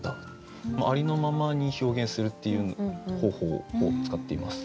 ありのままに表現するっていう方法を使っています。